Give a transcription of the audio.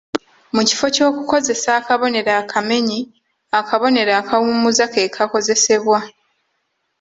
Mu kifo ky’okukozesa akabonero akamenyi, akabonero akawummuza ke kaakozesebwa.